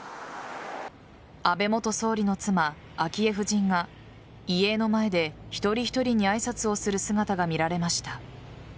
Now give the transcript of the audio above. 安倍元総理の妻・昭恵夫人が遺影の前で１人１人に挨拶する姿が見られました。